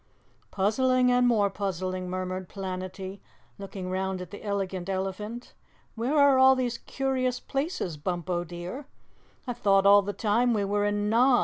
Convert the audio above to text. "Puzzling and more puzzling," murmured Planetty, looking round at the Elegant Elephant. "Where are all these curious places, Bumpo dear? I thought all the time we were in Noz.